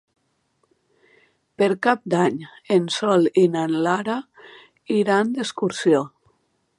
Per Cap d'Any en Sol i na Lara iran d'excursió.